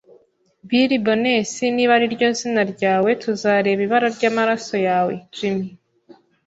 Billy Bones, niba ariryo zina ryawe, tuzareba ibara ryamaraso yawe. Jim, ”